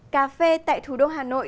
cà phê tại thủ đô hà nội